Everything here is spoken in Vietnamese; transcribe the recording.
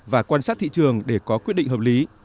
và quan sát thị trường để có quyết định hợp lý